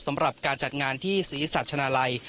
สำหรับการจัดงานที่ศรีสัชนาลัย